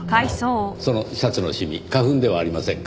そのシャツの染み花粉ではありませんか？